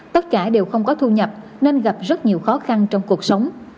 tất cả đều không có thu nhập nên gặp rất nhiều khó khăn trong cuộc sống